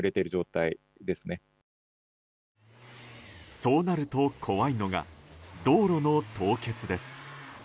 そうなると、怖いのが道路の凍結です。